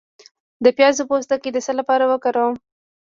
د پیاز پوستکی د څه لپاره وکاروم؟